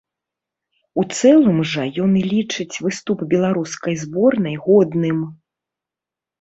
У цэлым жа ён лічыць выступ беларускай зборнай годным.